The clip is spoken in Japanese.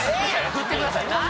振ってください。